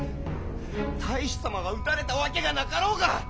太守様が討たれたわけがなかろうが！